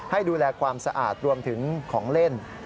ให้ดูแลความสะอาดรวมถึงของเล่น